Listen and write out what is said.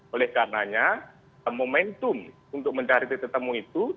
oleh karenanya momentum untuk mencari ketemu itu